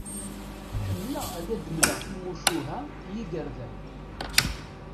Ḥemmleɣ ad d-mleɣ timucuha i yigerdan